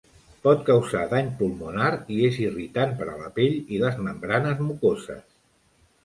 Pot causar dany pulmonar i és irritant per a la pell i les membranes mucoses.